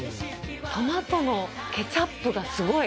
トマトのケチャップがすごい。